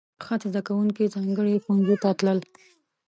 د خط زده کوونکي ځانګړي ښوونځي ته تلل.